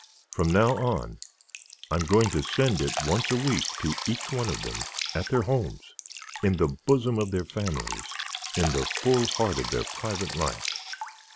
From now on, I am going to send it once a week to each one of them, at their homes, in the bosom of their families, in the full heart of their private life.